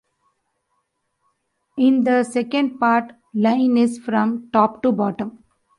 In the second part, line is from top to bottom.